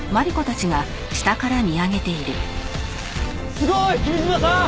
すごい！君嶋さん！